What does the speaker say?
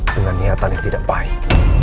dengan niatan yang tidak baik